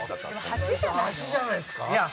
橋じゃないっすか。